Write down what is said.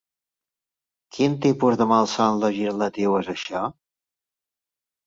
Quin tipus de malson legislatiu és això?